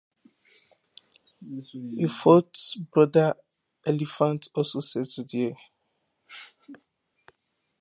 A fourth brother, Eliphalet, also settled here later.